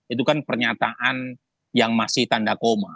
itu kan pernyataan yang masih tanda koma